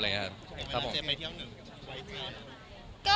เมื่อนาทีจะไปเที่ยวหนึ่งไว้เที่ยวหนึ่ง